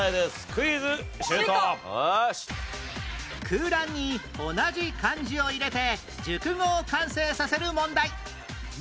空欄に同じ漢字を入れて熟語を完成させる問題